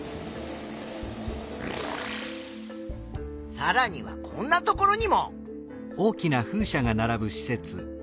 さらにはこんな所にも。